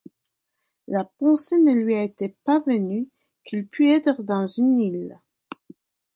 La pensée ne lui était pas venue qu’il pût être dans une île!